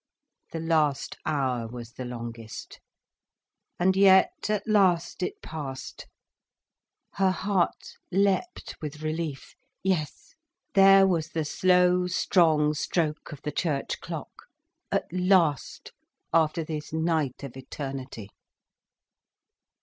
The last hour was the longest. And yet, at last it passed. Her heart leapt with relief—yes, there was the slow, strong stroke of the church clock—at last, after this night of eternity.